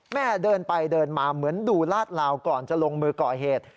เดินไปเดินมาเหมือนดูลาดลาวก่อนจะลงมือก่อเหตุ